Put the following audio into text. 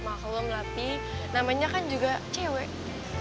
maklum latih namanya kan juga cewek